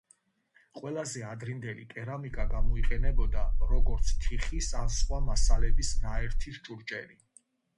ყველაზე ადრინდელი კერამიკა გამოიყენებოდა, როგორც თიხის ან სხვა მასალების ნაერთის ჭურჭელი.